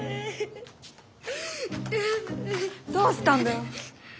どうしたんだよ？